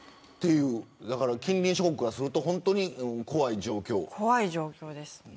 近隣諸国からすると本当に怖い状況。